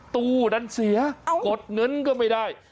ตู้นั้นเสียกดเงินก็ไม่ได้